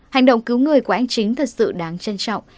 hành động cứu người của anh chính thật sự đáng trân trọng